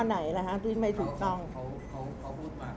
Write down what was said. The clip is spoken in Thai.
มันจะเป็นการขี้น้ำตากในวัตถุเกษตรแห่งแห่งธรรมดิสุทธิ์